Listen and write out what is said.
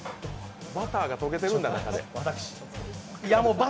バターが溶けてるんだ、中で。